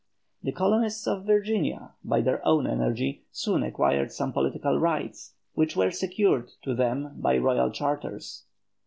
The colonists of Virginia, by their own energy, soon acquired some political rights, which were secured to them by royal charters.